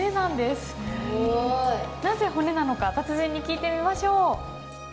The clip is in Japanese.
すごい。なぜ骨なのか達人に聞いてみましょう。